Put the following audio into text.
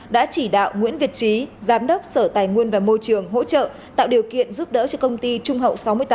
đã chỉ đạo nguyễn việt trí giám đốc sở tài nguyên và môi trường hỗ trợ tạo điều kiện giúp đỡ cho công ty trung hậu sáu mươi tám